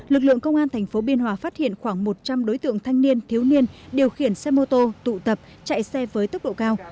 lực lượng công an tp biên hòa phát hiện khoảng một trăm linh đối tượng thanh niên thiếu niên điều khiển xe mô tô tụ tập chạy xe với tốc độ cao